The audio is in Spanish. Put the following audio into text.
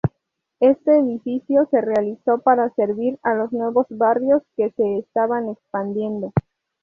Este edificio se realizó para servir a los nuevos barrios que se estaban expandiendo.